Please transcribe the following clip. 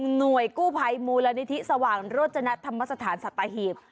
หน่วยกู้ไพรมูลณิธิสว่างโรจณะธรรมสถานสตาหีพ